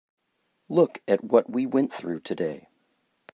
Look at what we went through today.